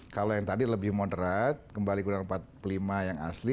kalau yang tadi lebih moderat kembali ke undang undang empat puluh lima yang asli